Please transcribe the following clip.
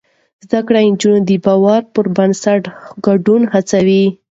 زده کړې نجونې د باور پر بنسټ ګډون هڅوي.